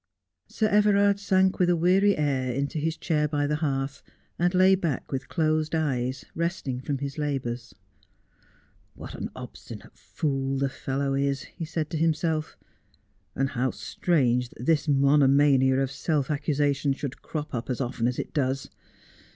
Sir Everard sank, with a weary air, into his chair by the hearth, and lay back with closed eyes, resting from his labours. 28 Just as I Am. ' What an obstinate fool the fellow is !' he said to himself ; 'and how strange that this monomania of self accusation should crop up as often as it does.